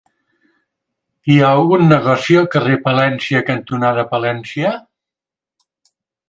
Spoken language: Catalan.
Hi ha algun negoci al carrer Palència cantonada Palència?